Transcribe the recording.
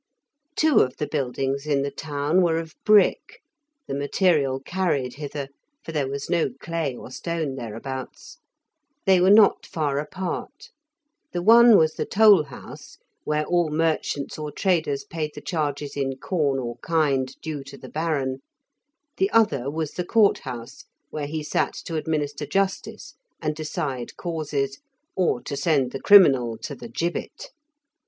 Two of the buildings in he town were of brick (the material carried hither, for there was no clay or stone thereabouts); they were not far apart. The one was the Toll House, where all merchants or traders paid the charges in corn or kind due to the Baron; the other was the Court House, where he sat to administer justice and decide causes, or to send the criminal to the gibbet.